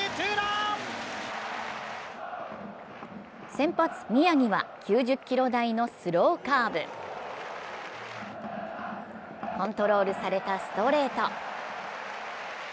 先発・宮城は９０キロ台のスローカーブ、コントロールされたストレート。